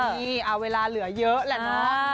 นี่เวลาเหลือเยอะแหละเนาะ